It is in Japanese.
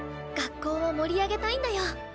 学校を盛り上げたいんだよ。